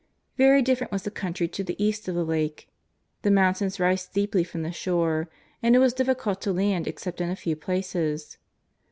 Very different was the country to the east of the Lake. The mountains rise steeply from the shore, and it was difiicult to land except in a few places.